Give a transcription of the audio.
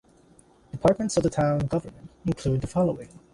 Departments of the town government include the following.